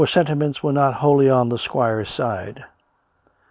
ntiments were not wholly on the squire's side.